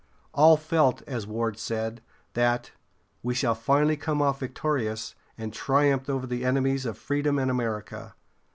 All felt, as Ward said, that "We shall finally come off victorious, and triumph over the enemies of freedom and America."